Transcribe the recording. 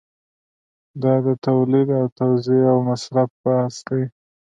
دا د تولید او توزیع او مصرف بحث دی.